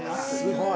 ◆すごい。